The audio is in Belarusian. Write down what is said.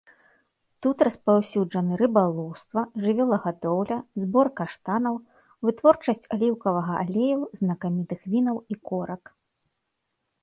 Тут распаўсюджаны рыбалоўства, жывёлагадоўля, збор каштанаў, вытворчасць аліўкавага алею, знакамітых вінаў і корак.